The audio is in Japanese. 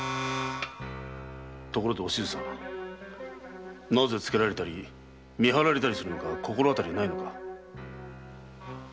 ところでお静さん。なぜつけられたり見張られたりするのか心当たりはないのか。